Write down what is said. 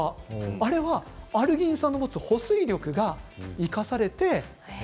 あれはアルギン酸が持つ保水力が生かされているんです。